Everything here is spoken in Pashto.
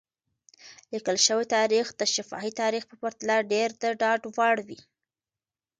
لیکل شوی تاریخ د شفاهي تاریخ په پرتله ډېر د ډاډ وړ وي.